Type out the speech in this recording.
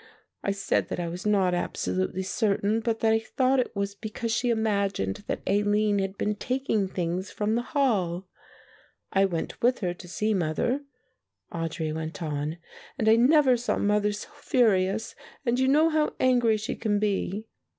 I said that I was not absolutely certain, but that I thought it was because she imagined that Aline had been taking things from the Hall. I went with her to see mother," Audry went on, "and I never saw mother so furious, and you know how angry she can be."